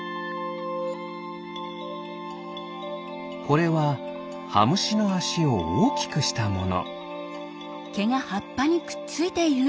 これはハムシのあしをおおきくしたもの。